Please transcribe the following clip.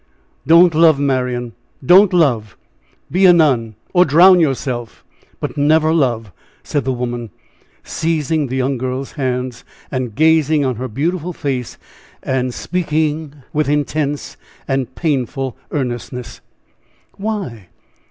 "Don't love! Marian, don't love! Be a nun, or drown yourself, but never love!" said the woman, seizing the young girl's hands, gazing on her beautiful face, and speaking with intense and painful earnestness. "Why?